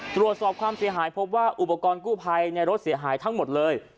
ตรวจสอบความเสียหายพบว่าอุปกรณ์กู้ภัยในรถเสียหายทั้งหมดเลย